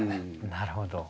なるほど。